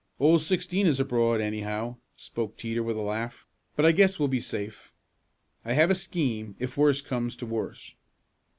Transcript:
"Old Sixteen is abroad, anyhow," spoke Teeter with a laugh, "but I guess we'll be safe. I have a scheme, if worst comes to worst."